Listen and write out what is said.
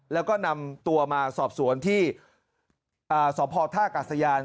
แล้วก็นำตัวมาสอบสวนที่สพท่ากาศยาน